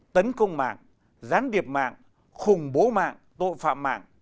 tấn công mạng gián điệp mạng khủng bố mạng tội phạm mạng